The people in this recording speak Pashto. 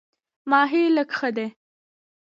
ماهی لږ ښه دی.